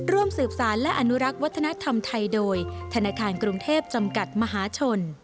ร่วมสืบสารและอนุรักษ์วัฒนธรรมไทยโดยธนาคารกรุงเทพจำกัดมหาชน